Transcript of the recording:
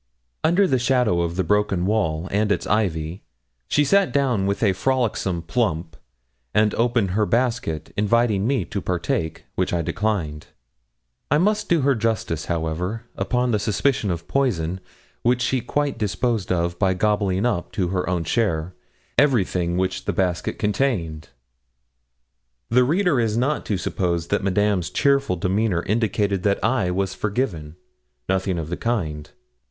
Under the shadow of the broken wall, and its ivy, she sat down with a frolicsome plump, and opened her basket, inviting me to partake, which I declined. I must do her justice, however, upon the suspicion of poison, which she quite disposed of by gobbling up, to her own share, everything which the basket contained. The reader is not to suppose that Madame's cheerful demeanour indicated that I was forgiven. Nothing of the kind.